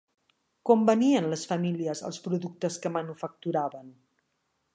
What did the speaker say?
Com venien les famílies els productes que manufacturaven?